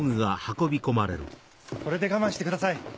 これで我慢してください。